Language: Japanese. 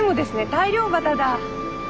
大漁旗だ。